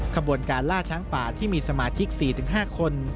ขบวนการล่าช้างป่าที่มีสมาชิก๔๕คน